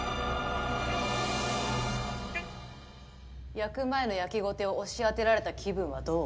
焼く前の焼きごてを押し当てられた気分は、どう？